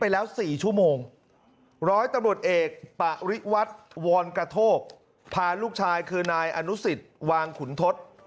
แล้ว๔ชั่วโมงร้อยตำรวจเอกปะริวัตรวรกระโทกพาลูกชายคือนายอนุสิตวางขุนทศ